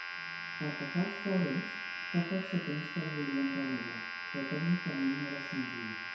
Pel que fa als fòrums, fa força temps que els volíem renovar, però tècnicament no era senzill.